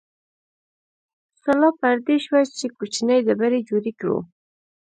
سلا پر دې شوه چې کوچنۍ ډبرې جوړې کړو.